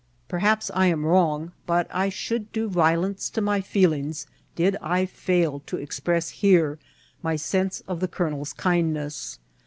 Perhaps I am wrong, but I should do violence to my feelings did I fail to ex press here my sense of the colonel's kindness.